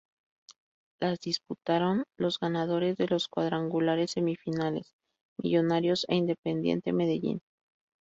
La disputaron los ganadores de los cuadrangulares semifinales: Millonarios e Independiente Medellín.